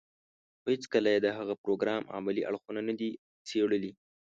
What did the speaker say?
خو هېڅکله يې د هغه پروګرام عملي اړخونه نه دي څېړلي.